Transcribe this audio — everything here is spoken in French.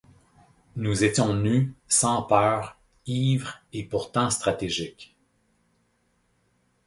Nous étions nus, sans peur, ivres et pourtant stratégiques.